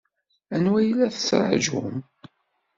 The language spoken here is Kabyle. Anwa ay la tettṛajum?